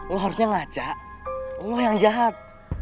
lo harusnya ngajak lo yang jahat